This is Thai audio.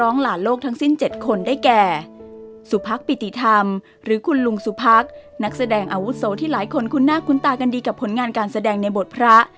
นักแสดงอัวุโสที่หลายคนคุณหน้าคุ้นตากันดีกับผลงานการแสดงในบทพระ